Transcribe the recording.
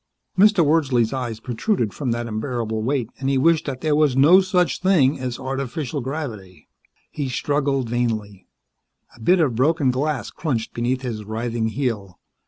Mr. Wordsley's eyes protruded from that unbearable weight, and he wished that there was no such thing as artificial gravity. He struggled vainly. A bit of broken glass crunched beneath his writhing heel.